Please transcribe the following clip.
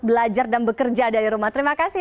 belajar dan bekerja dari rumah terima kasih